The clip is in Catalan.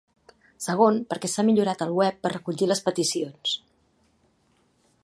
Segon, perquè s'ha millorat el web per recollir les peticions.